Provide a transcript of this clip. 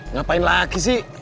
ngapain lagi sih